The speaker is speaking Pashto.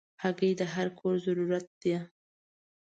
هګۍ د هر کور ضرورت ده.